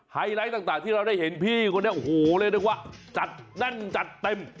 ไลท์ต่างที่เราได้เห็นพี่คนนี้โอ้โหเรียกได้ว่าจัดแน่นจัดเต็ม